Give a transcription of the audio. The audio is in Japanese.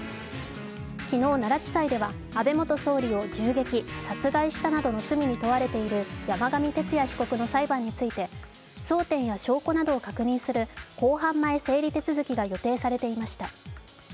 昨日、奈良地裁では安倍元総理を銃撃・殺害したなどの罪に問われている山上徹也被告の裁判について争点や証拠などを確認する公判前整理手続が予定されていました。